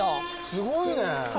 すごいね。